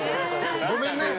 ごめんね。